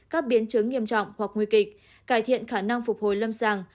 chứng nghiêm trọng hoặc nguy kịch cải thiện khả năng phục hồi lâm sàng